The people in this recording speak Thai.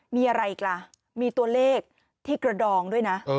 มีอะไรอีกล่ะมีตัวเลขที่กระดองด้วยนะ